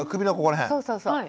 そうそうそう。